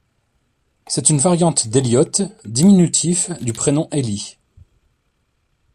C'est une variante d'Eliot, diminutif du prénom Élie.